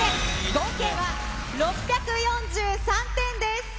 合計は６４３点です。